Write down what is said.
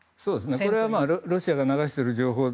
これはロシアが流している情報。